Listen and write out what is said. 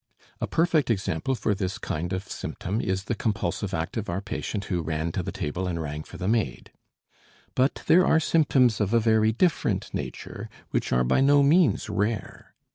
A perfect example for this kind of symptom is the compulsive act of our patient who ran to the table and rang for the maid. But there are symptoms of a very different nature which are by no means rare.